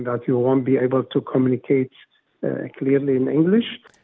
kita tidak akan bisa berkomunikasi dengan jelas dalam bahasa inggris